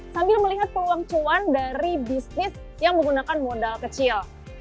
sambil melihat peluang cuan dari bisnis yang menggunakan modal kecil